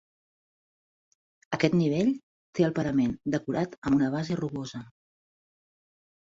Aquest nivell té el parament decorat amb una base rugosa.